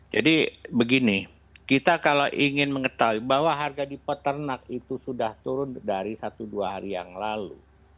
jadi begini kita kalau ingin mengetahui bahwa harga di peternak itu sudah turun dari satu dua hari yang lalu